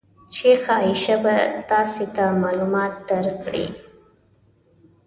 شیخه عایشه به تاسې ته معلومات وړاندې کړي.